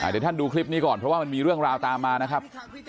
เดี๋ยวท่านดูคลิปนี้ก่อนเพราะว่ามันมีเรื่องราวตามมานะครับ